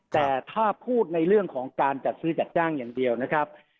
แต่ถ้าพูดในเรื่องของการจัดซื้อจัดจ้างอย่างเดียวนะครับ